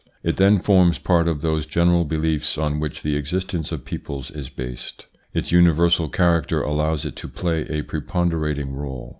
It then forms part of those general beliefs on which the existence of peoples is based. Its universal character allows it to play a preponderating role.